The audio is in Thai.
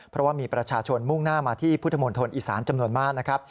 เพราะว่ามีประชาชนมุ่งหน้ามาที่พุทธมนตร์ธนตร์อีสานจำนวนมาก